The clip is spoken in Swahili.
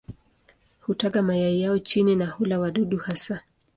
Hutaga mayai yao chini na hula wadudu hasa.